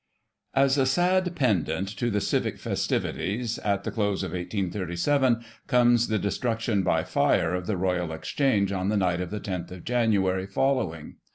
As a sad pendant to the Civic festivities at the dose of 1837 \ comes the destruction by fire of the Royal Exchange on the night of the loth of January following.